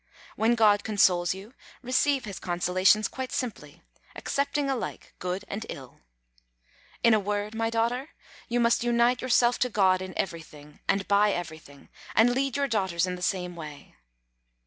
When God consoles you receive His consolations quite simply, accepting alike good and ill. In a word, my daughter, you must unite yourself to God in everything, and by everything, and lead your daughters in the same way.